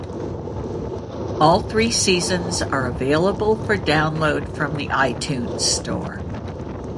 All three seasons are available for download from the iTunes store.